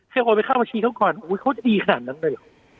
เว้ยผมไปเข้าบัญชีเขาก่อนอุ้ยเขาจะดีขนาดนั้นก็อยู่